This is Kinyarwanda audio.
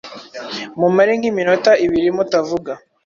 mumare nk’iminota ibiri mutavuga,